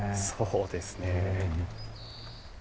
そうですね。